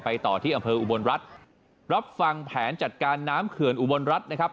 ต่อที่อำเภออุบลรัฐรับฟังแผนจัดการน้ำเขื่อนอุบลรัฐนะครับ